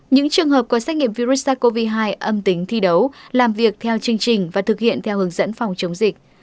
những trường hợp có xét nghiệm virus sars cov hai âm tính thi đấu làm việc theo chương trình và thực hiện theo hướng dẫn phòng chống dịch